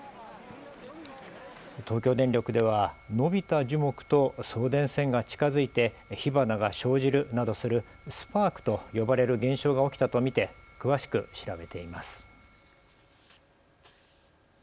東京電力では伸びた樹木と送電線が近づいて火花が生じるなどするスパークと呼ばれる現象が起きたと見て詳しく調べています。